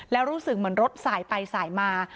แล้วรู้สึกเหมือนรถสายไปสายมา